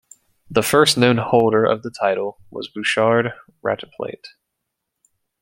The first known holder of the title was Bouchard Ratepilate.